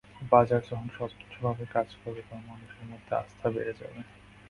বাজার যখন স্বচ্ছভাবে কাজ করবে, তখন মানুষের মধ্যে আস্থা বেড়ে যাবে।